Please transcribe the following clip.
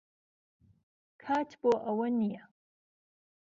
کات بۆ ئەوە نییە.